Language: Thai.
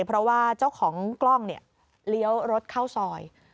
เพราะว่าเจ้าของกล้องเนี่ยเลี้ยวรถเข้าซอย